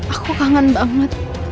aku kangen banget